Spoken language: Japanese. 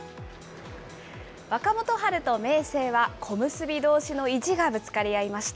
若元春と明生は、小結どうしの意地がぶつかり合いました。